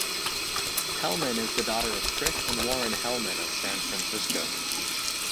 Hellman is the daughter of Chris and Warren Hellman of San Francisco.